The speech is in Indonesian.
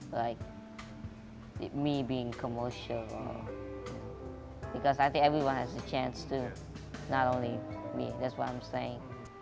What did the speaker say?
bukan hanya saya itu yang saya katakan